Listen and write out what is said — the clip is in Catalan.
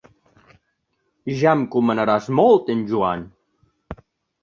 Ja em comanaràs molt en Joan.